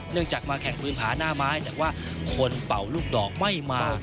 จากมาแข่งพื้นผาหน้าไม้แต่ว่าคนเป่าลูกดอกไม่มา